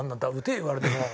言われても。